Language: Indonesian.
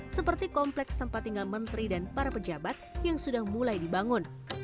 seperti kompleks tempat tinggal menteri dan para pejabat yang sudah mulai dibangun